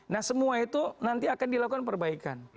nah semua itu nanti akan dilakukan perbaikan